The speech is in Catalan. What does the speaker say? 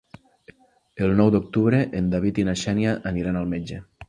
El nou d'octubre en David i na Xènia aniran al metge.